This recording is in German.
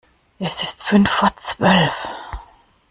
Es ist fünf vor zwölf.